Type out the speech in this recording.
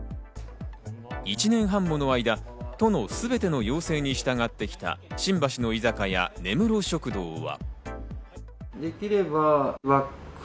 １年半もの間、都のすべての要請に従ってきた新橋の居酒屋・根室食堂は。